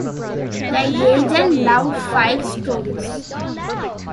The agent loved Files' stories.